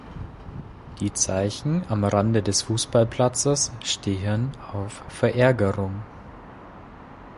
Die Zeichen am Rand des Fußballplatzes stehen auf Verärgerung.